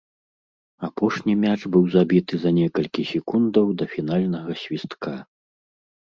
Апошні мяч быў забіты за некалькі секундаў да фінальнага свістка.